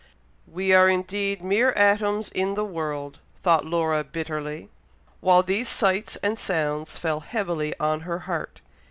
"We are indeed mere atoms in the world!" thought Laura bitterly, while these sights and sounds fell heavily on her heart.